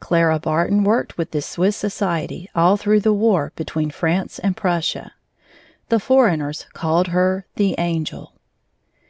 Clara Barton worked with this Swiss society all through the war between France and Prussia. The foreigners called her the Angel.